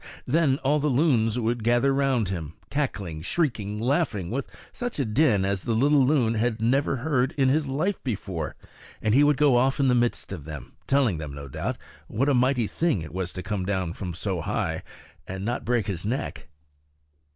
Then all the loons would gather round him, cackling, shrieking, laughing, with such a din as the little loon never heard in his life before; and he would go off in the midst of them, telling them, no doubt, what a mighty thing it was to come down from so high and not break his neck.